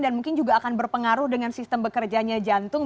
dan mungkin juga akan berpengaruh dengan sistem bekerjanya jantung